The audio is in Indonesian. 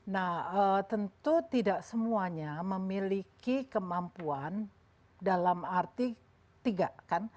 nah tentu tidak semuanya memiliki kemampuan dalam arti tiga kan